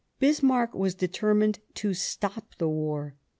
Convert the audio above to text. Bismarck was determined to stop the war.